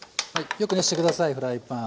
よく熱して下さいフライパン。